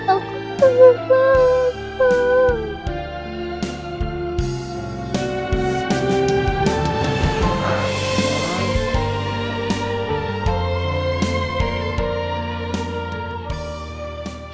aku pengen papa